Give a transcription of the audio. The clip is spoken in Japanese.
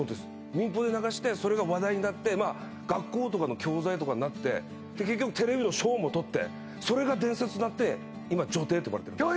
民放で流してそれが話題になってまあ学校とかの教材とかになってで結局テレビの賞もとってそれが伝説となって今女帝と呼ばれてるんです